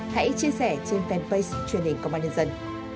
hãy chia sẻ trên fanpage truyền hình công an nhân dân